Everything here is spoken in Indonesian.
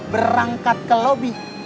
berangkat ke lobby